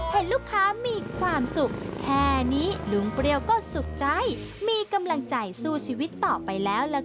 เห็นลูกค้ามีความสุขแค่นี้ลุงเปรี้ยวก็สุขใจมีกำลังใจสู้ชีวิตต่อไปแล้วล่ะค่ะ